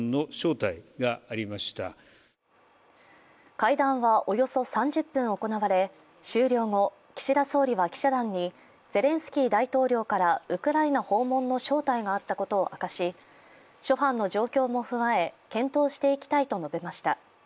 会談はおよそ３０分行われ、終了後、岸田総理は記者団にゼレンスキー大統領からウクライナ訪問の招待があったことを明かし諸般の状況も踏まえ検討していきたいと述べました。